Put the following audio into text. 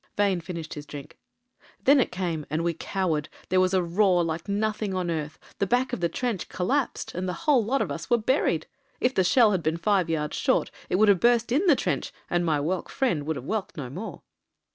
Vane finished his drink. ''Then it came, and we cowered. There was a roar like nothing on earth — the back of the trench collapsed, and the whole lot of us were buried. If the shell had been five yards short, it would have burst in the trench, and my whelk friend would have whelked no more."